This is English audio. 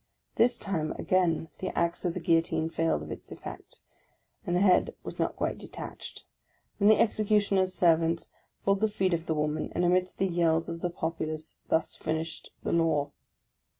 This time again the axe of the Guillotine failed of its effect, and the head was not quite detached. Then the Executioner's servants pulled the feet of the woman ; and, amidst the yells of the populace, thus finished the law